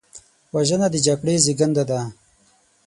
وژنه د جګړې زیږنده ده